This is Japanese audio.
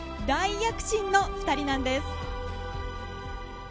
大躍進の２人なんです。